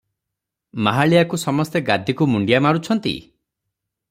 ମାହାଳିଆକୁ ସମସ୍ତେ ଗାଦିକୁ ମୁଣ୍ତିଆ ମାରୁଛନ୍ତି?